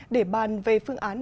để bàn về phương án đề nghị